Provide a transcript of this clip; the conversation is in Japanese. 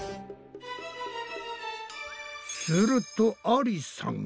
するとありさが。